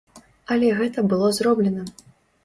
Але гэта было зроблена!